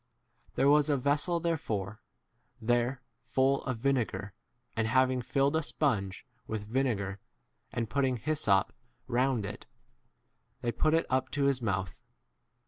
There was a vessel therefore there full of vinegar, and having filled a sponge with vinegar, and putting hyssop round it, f they put it up to his mouth.